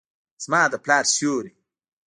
زما د پلار سیوري ،